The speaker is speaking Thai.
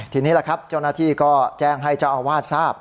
ทีนี้แหละครับเจ้าหน้าที่ก็แจ้งให้เจ้าอาวาสทราบ